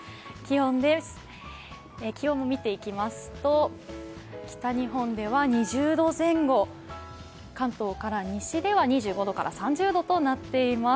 気温を見ていきますと、北日本では２０度前後、関東から西では２５度から３０度となっています。